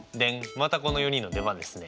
またこの４人の出番ですね。